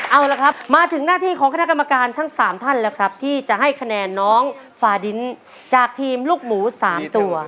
เอาละครับมาถึงหน้าที่ของคณะกรรมการทั้ง๓ท่านแล้วครับที่จะให้คะแนนน้องฟาดินจากทีมลูกหมู๓ตัว